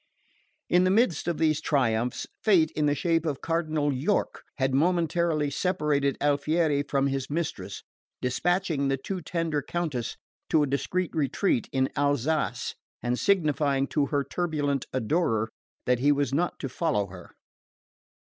In the midst of these triumphs, fate in the shape of Cardinal York had momentarily separated Alfieri from his mistress, despatching the too tender Countess to a discreet retreat in Alsace, and signifying to her turbulent adorer that he was not to follow her.